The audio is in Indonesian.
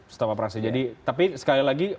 stop operasi jadi tapi sekali lagi